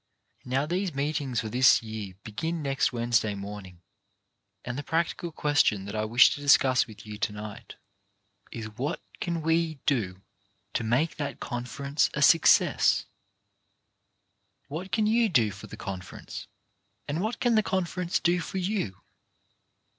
Now these meetings for this year begin next Wednesday morning, and the practical question that I wish to discuss with you to night is, — What can we do to make that Conference a suc cess ? What can you do for the Conference, and what can the Conference do for you